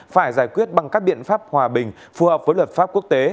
phải giải quyết bằng các biện pháp hòa bình phù hợp với luật pháp quốc tế